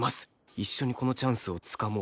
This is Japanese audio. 「一緒にこのチャンスを掴もう」